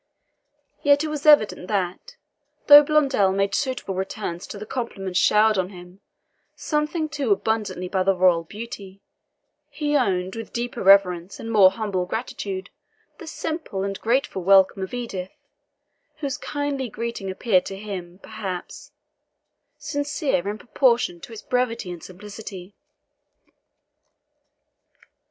Yet it was evident that, though Blondel made suitable returns to the compliments showered on him something too abundantly by the royal beauty, he owned with deeper reverence and more humble gratitude the simple and graceful welcome of Edith, whose kindly greeting appeared to him, perhaps, sincere in proportion to its brevity and simplicity.